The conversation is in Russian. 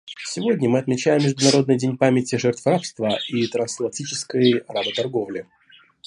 Сегодня мы отмечаем Международный день памяти жертв рабства и трансатлантической работорговли.